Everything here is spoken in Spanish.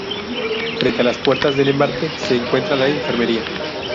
Frente a las puertas de embarque, se encuentra la enfermería.